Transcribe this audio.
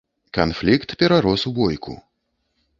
Канфлікт перарос у бойку.